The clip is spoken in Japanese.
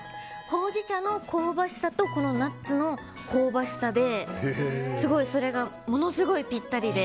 ほうじ茶の香ばしさとナッツの香ばしさですごいそれがものすごいぴったりで。